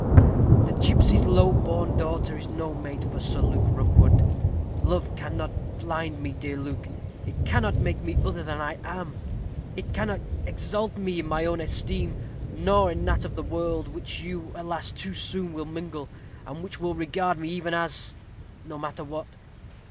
The gipsy's low born daughter is no mate for Sir Luke Rookwood. Love cannot blind me, dear Luke. It cannot make me other than I am; it cannot exalt me in my own esteem, nor in that of the world, with which you, alas! too soon will mingle, and which will regard even me as no matter what!